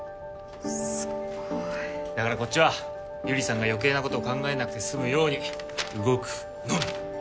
すごいだからこっちは百合さんが余計なことを考えなくて済むように動くのみ！